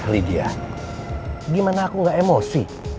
lydia gimana aku gak emosi